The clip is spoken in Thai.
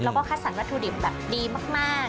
แล้วก็คัดสรรวัตถุดิบแบบดีมาก